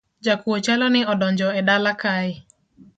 Jakuo chalo ni odonjo e dala kae